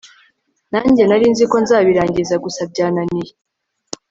nanjye narinziko nzabirangiza gusa byananiye